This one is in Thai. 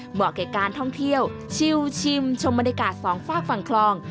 แก่การท่องเที่ยวชิวชิมชมบรรยากาศสองฝากฝั่งคลอง